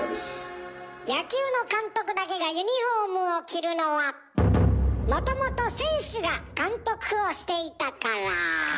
野球の監督だけがユニフォームを着るのはもともと選手が監督をしていたから。